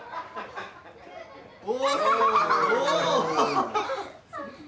・お！